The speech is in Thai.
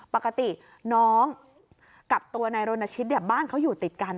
ปกติน้องกับตัวนายรณชิตบ้านเขาอยู่ติดกัน